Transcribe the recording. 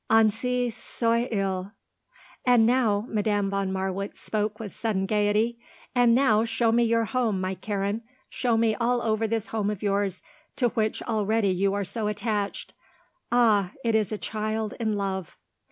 Ainsi soit il. And now," Madame von Marwitz spoke with sudden gaiety, "and now show me your home, my Karen, show me all over this home of yours to which already you are so attached. Ah it is a child in love!"